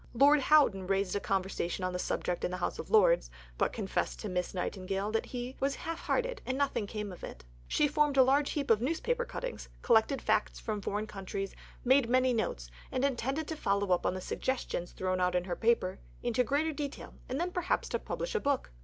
Lord Houghton raised a conversation on the subject in the House of Lords, but confessed to Miss Nightingale that he was half hearted, and nothing came of it. She formed a large heap of newspaper cuttings, collected facts from foreign countries, made many notes, and intended to follow up the suggestions, thrown out in her paper, into greater detail, and then perhaps to publish a book.